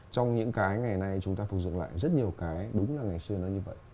trong những cái ngày nay chúng ta phục dựng lại rất nhiều cái đúng là ngày xưa nó như vậy